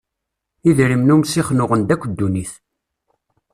Idrimen umsixen uɣen-d akk ddunit.